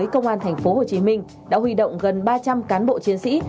công an thành phố hồ chí minh đã huy động gần ba trăm linh cán bộ chiến sĩ